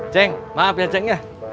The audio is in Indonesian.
ceng maaf ya cengnya